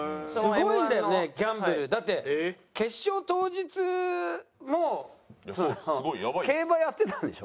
だって決勝当日も競馬やってたんでしょ？